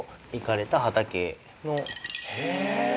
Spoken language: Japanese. へえ